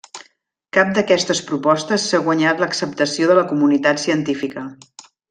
Cap d'aquestes propostes s'ha guanyat l'acceptació de la comunitat científica.